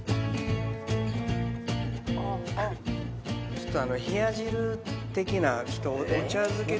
ちょっと。